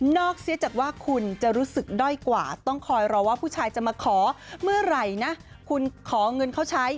เสียจากว่าคุณจะรู้สึกด้อยกว่าต้องคอยรอว่าผู้ชายจะมาขอเมื่อไหร่นะคุณขอเงินเขาใช้